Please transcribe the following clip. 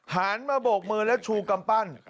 หางมาโบกมือและชูอย่างปั้น